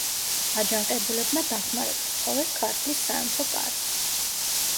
აჯანყებულებმა დახმარება სთხოვეს ქართლის სამეფო კარს.